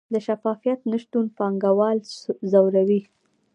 د شفافیت نشتون پانګوال ځوروي؟